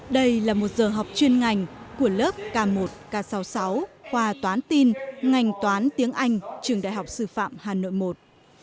đây là một giờ học chuyên ngành của lớp k một k sáu mươi sáu khoa toán tin ngành toán tiếng anh trường đại học sư phạm hà nội một